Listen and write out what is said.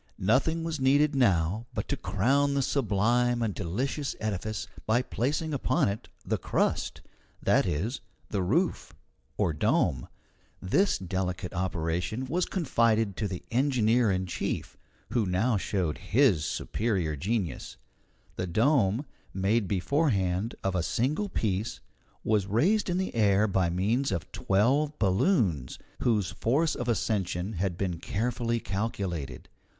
Nothing was needed now but to crown the sublime and delicious edifice by placing upon it the crust that is, the roof, or dome. This delicate operation was confided to the engineer in chief who now showed his superior genius. The dome, made beforehand of a single piece, was raised in the air by means of twelve balloons, whose force of ascension had been carefully calculated.